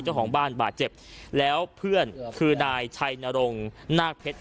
เจ้าของบ้านบาดเจ็บแล้วเพื่อนคือนายชัยนรงนาคเพชร